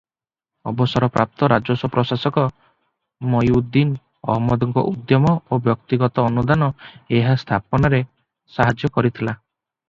ଅବସରପ୍ରାପ୍ତ ରାଜସ୍ୱ ପ୍ରଶାସକ ମଇଉଦ୍ଦିନ ଅହମଦଙ୍କ ଉଦ୍ୟମ ଓ ବ୍ୟକ୍ତିଗତ ଅନୁଦାନ ଏହା ସ୍ଥାପନାରେ ସାହାଯ୍ୟ କରିଥିଲା ।